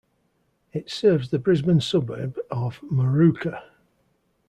It serves the Brisbane suburb of Moorooka.